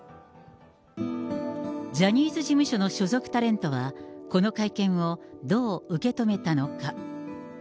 ジャニーズ事務所の所属タレントは、この会見をどう受け止めたのか。